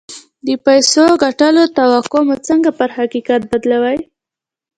د پيسو ګټلو توقع مو څنګه پر حقيقت بدلوي؟